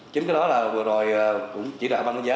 chính cái đó là vừa rồi cũng chỉ đạo ban đánh giá